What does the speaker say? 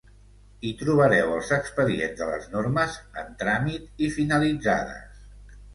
Hi trobareu els expedients de les normes en tràmit i finalitzades.